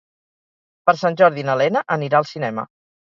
Per Sant Jordi na Lena anirà al cinema.